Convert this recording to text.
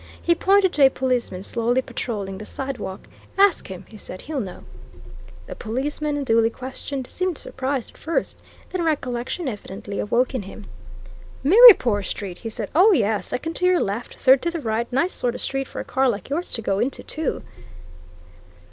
He pointed to a policeman slowly patrolling the side walk. "Ask him," he said. "He'll know." The policeman, duly questioned, seemed surprised at first; then recollection evidently awoke in him. "Mirrypoor Street?" he said. "Oh, yes! Second to your left, third to the right nice sort o' street for a car like yours to go into, too!"